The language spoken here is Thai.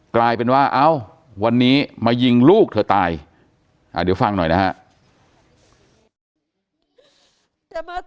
กลายเป็นว่าเอ้าวันนี้มายิงลูกเธอตายเดี๋ยวฟังหน่อยนะฮะ